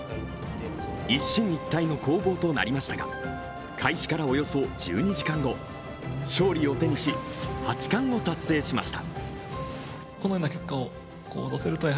一進一退の攻防となりましたが開始からおよそ１２時間後、勝利を手にし、八冠を達成しました。